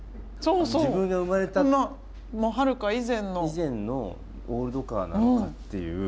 以前のオールドカーなのかっていう。